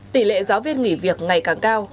tỷ lệ giáo viên nghỉ việc ngày càng cao